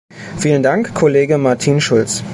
Vielen Dank, Kollege Martin Schulz!